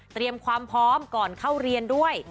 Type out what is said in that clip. เตรียมความพร้อมก่อนเข้าเรียนด้วย